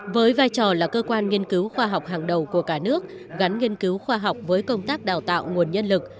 với vai trò là cơ quan nghiên cứu khoa học hàng đầu của cả nước gắn nghiên cứu khoa học với công tác đào tạo nguồn nhân lực